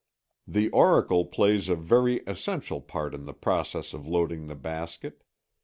The auricle plays a very essential part in the process of loading the basket.